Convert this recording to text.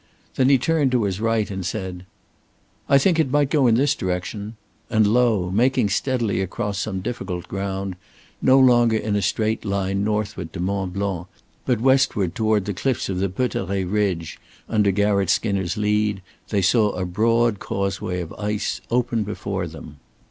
Then he turned to his right and said: "I think it might go in this direction," and lo! making steadily across some difficult ground, no longer in a straight line northward to Mont Blanc, but westward toward the cliffs of the Peuteret ridge under Garratt Skinner's lead, they saw a broad causeway of ice open before them.